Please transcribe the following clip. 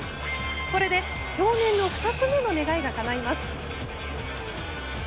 これで少年の２つ目の願いがかないます。